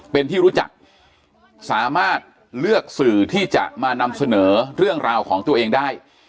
เป็นที่รู้จักสามารถเลือกสื่อที่จะมานำเสนอเรื่องราวของตัวเองได้